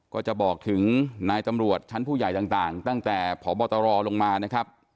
ก็จะบอกถึงนายตำรวจชั้นผู้ใหญ่ต่างตั้งแต่พบตรลงมานะครับ